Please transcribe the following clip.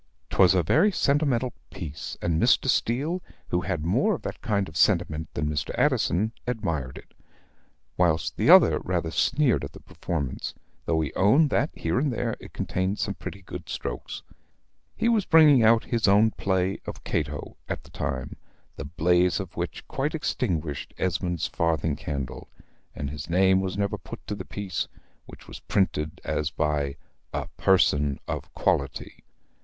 'Twas a very sentimental piece; and Mr. Steele, who had more of that kind of sentiment than Mr. Addison, admired it, whilst the other rather sneered at the performance; though he owned that, here and there, it contained some pretty strokes. He was bringing out his own play of "Cato" at the time, the blaze of which quite extinguished Esmond's farthing candle; and his name was never put to the piece, which was printed as by a Person of Quality.